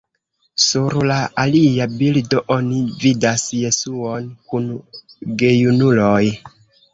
Sur la alia bildo oni vidas Jesuon kun gejunuloj.